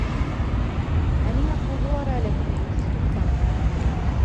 Ә ниңә ҡыуҙылар әле һине институттан?